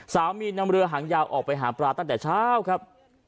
นำเรือหางยาวออกไปหาปลาตั้งแต่เช้าครับ